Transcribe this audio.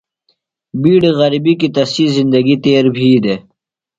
بِیڈیۡ غرِبیۡ کیۡ تسی زندگی تیر بھی دےۡ۔